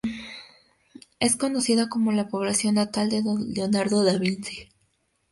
Es conocida como la población natal de Leonardo da Vinci.